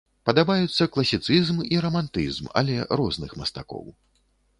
Падабаюцца класіцызм і рамантызм, але розных мастакоў.